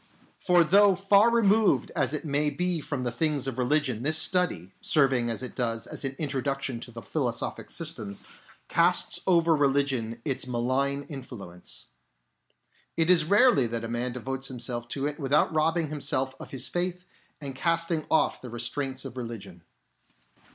For though far removed as it may be from the things of religion, this study, serving as it does as an introduction to the philo sophic systems, casts over religion its malign in fluence. It is rarely that a man devotes himself to it without robbing himself of his faith and casting off the restraints of religion.